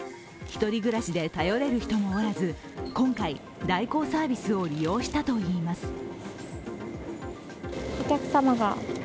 １人暮らしで頼れる人もおらず、今回、代行サービスを利用したといいます。